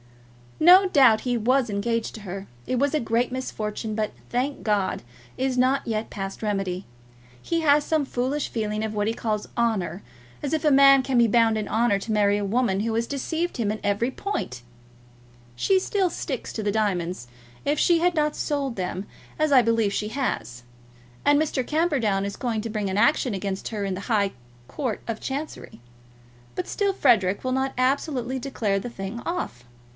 No doubt he was engaged to her. It was a great misfortune, but, thank God, is not yet past remedy. He has some foolish feeling of what he calls honour; as if a man can be bound in honour to marry a woman who has deceived him in every point! She still sticks to the diamonds, if she has not sold them, as I believe she has; and Mr. Camperdown is going to bring an action against her in the High Court of Chancery. But still Frederic will not absolutely declare the thing off.